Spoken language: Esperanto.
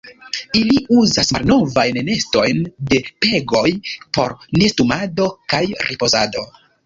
Ili uzas malnovajn nestojn de pegoj por nestumado kaj ripozado.